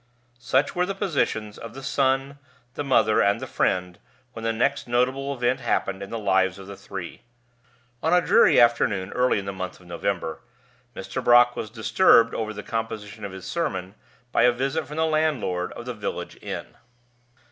Such were the positions of the son, the mother, and the friend, when the next notable event happened in the lives of the three. On a dreary afternoon, early in the month of November, Mr. Brock was disturbed over the composition of his sermon by a visit from the landlord of the village inn.